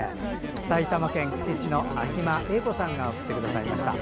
埼玉県久喜市の秋間栄子さんが送ってくださいました。